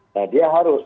nah dia harus